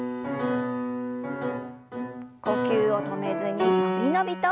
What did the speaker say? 呼吸を止めずに伸び伸びと。